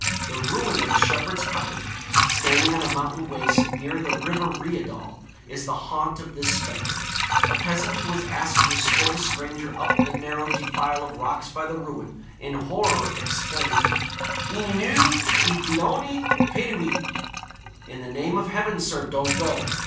The ruin of a shepherd's cottage, standing on a mountain waste near the river Rheidol, is the haunt of this spectre. A peasant who was asked to escort a stranger up the narrow defile of rocks by the ruin, in horror exclaimed, 'Yn enw y daioni, peidiwch,' (in the name of heaven, sir, don't go!)